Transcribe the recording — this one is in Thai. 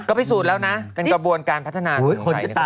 ก็พิสูจน์แล้วนะเป็นกระบวนการพัฒนาศึกของไข้